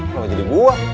apa jadi gua